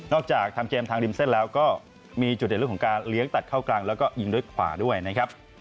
จากทำเกมทางริมเส้นแล้วก็มีจุดเด่นเรื่องของการเลี้ยงตัดเข้ากลางแล้วก็ยิงด้วยขวาด้วยนะครับ